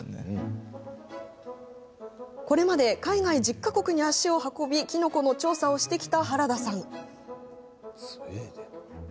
これまで海外１０か国に足を運びキノコの調査をしてきた原田さん。